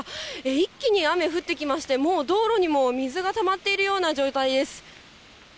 一気に雨、降ってきまして、もう道路にも水がたまっているような状態です。